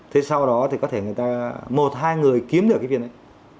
thế sau đó thì có thể người ta một hai người kiếm được cái viên đấy